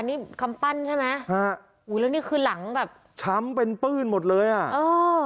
นี่คำปั้นใช่ไหมฮะอุ้ยแล้วนี่คือหลังแบบช้ำเป็นปื้นหมดเลยอ่ะเออ